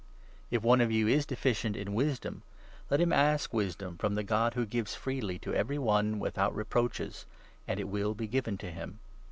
If one of you is deficient in wisdom, let him ask 5 vwsdom! wisdom from the God who gives freely to every one without reproaches, and it will be given to him.